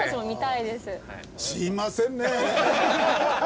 すみませんね。